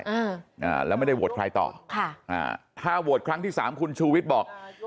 อ่าอ่าแล้วไม่ได้โหวตใครต่อค่ะอ่าถ้าโหวตครั้งที่สามคุณชูวิทย์บอก